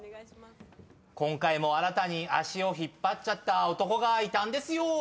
今回も新たに足を引っ張っちゃった男がいたんですよ。